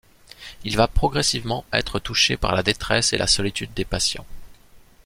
Il va progressivement être touché par la détresse et la solitude des patients.